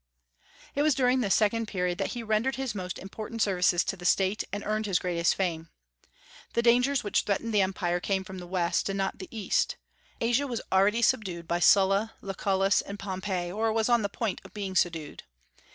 It was during this second period that he rendered his most important services to the State and earned his greatest fame. The dangers which threatened the Empire came from the West, and not the East. Asia was already subdued by Sulla, Lucullus, and Pompey, or was on the point of being subdued.